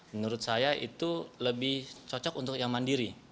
menurut saya itu lebih cocok untuk yang mandiri